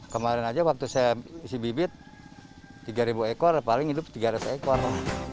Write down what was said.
kemarin aja waktu saya isi bibit tiga ribu ekor paling hidup tiga ratus ekor